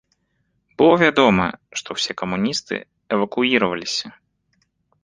Было вядома, што ўсе камуністы эвакуіраваліся.